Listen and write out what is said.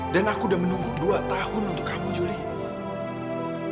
dan aku udah menunggu dua tahun untuk kamu julie